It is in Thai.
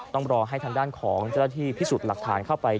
ต้องรอให้ทางด้านของเจ้าหน้าที่พิสูจน์หลักฐานเข้าไป